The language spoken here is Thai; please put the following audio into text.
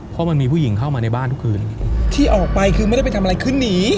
เพราะมันมีผู้หญิงเข้ามาในบ้านทุกคืนที่ออกไปคือไม่ได้ไปทำอะไรคือหนี